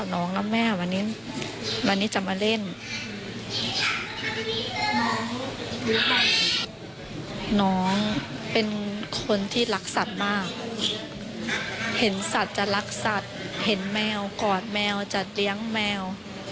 น้องเป็นคนที่รักสัตว์มากเห็นสัตว์จะรักสัตว์เห็นแมวกอดแมวจะเลี้ยงแมว